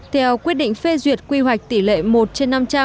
theo quyết định phê duyệt quy hoạch tỷ lệ một trên năm trăm linh